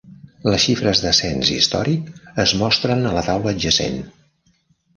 Les xifres de cens històric es mostren a la taula adjacent.